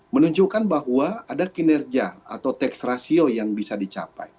menunjukkan bahwa ada kinerja atau tax ratio yang bisa dicapai